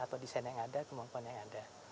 atau desain yang ada